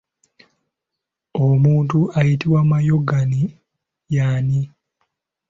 Omuntu ayitibwa mayogaanyi y'ani?